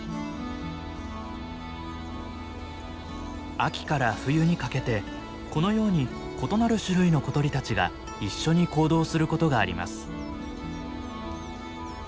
秋から冬にかけてこのように異なる種類の小鳥たちが一緒に行動することがあります。